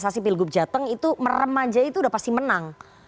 sasi pilgub jateng itu merem aja itu sudah pasti menang